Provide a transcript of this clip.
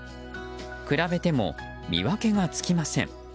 比べても見分けがつきません。